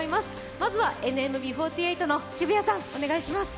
まずはＮＭＢ４８の渋谷さん、お願いします。